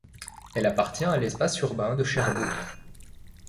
Elle appartient à l’espace urbain de Cherbourg.